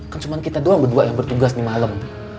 kan cuma kita doang berdua yang bertugas nih malem